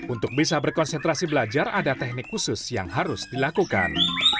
untuk bisa berkonsentrasi belajar ada teknik khusus yang harus dilakukan